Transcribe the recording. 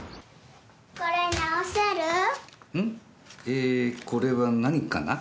えこれは何かな？